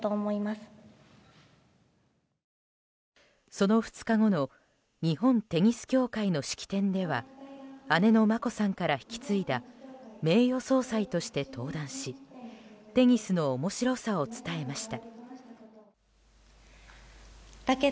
その２日後の日本テニス協会の式典では姉の眞子さんから引き継いだ名誉総裁として登壇しテニスの面白さを伝えました。